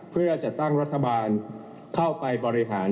เพื่อจะตั้งรัฐบาลเข้าไปบริหาร